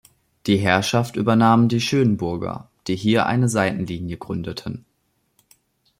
Die Herrschaft übernahmen die Schönburger, die hier eine Seitenlinie gründeten.